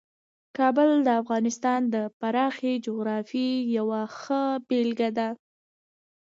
کابل د افغانستان د پراخې جغرافیې یوه ښه بېلګه ده.